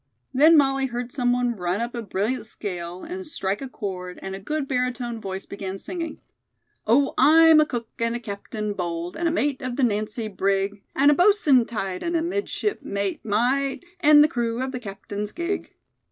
Then Molly heard some one run up a brilliant scale and strike a chord and a good baritone voice began singing: "'Oh, I'm a cook and a captain bold, And a mate of the Nancy brig, And a bo'sun tight and a midshipmatemite, And the crew of the captain's gig.'"